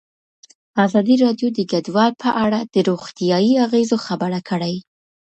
ازادي راډیو د کډوال په اړه د روغتیایي اغېزو خبره کړې.